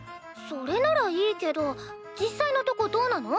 それならいいけど実際のとこどうなの？